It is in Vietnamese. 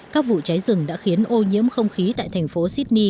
các vụ cháy rừng đã khiến ô nhiễm không khí tại thành phố sydney